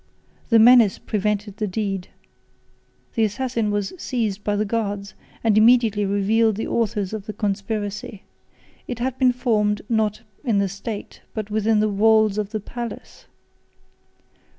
The menace prevented the deed; the assassin was seized by the guards, and immediately revealed the authors of the conspiracy. It had been formed, not in the state, but within the walls of the palace.